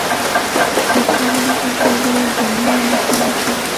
د پاڼو غورځېدل د مني موسم نښه ده.